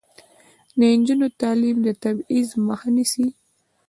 د نجونو تعلیم د تبعیض مخه نیسي.